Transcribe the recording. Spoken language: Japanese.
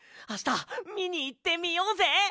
あしたみにいってみようぜ！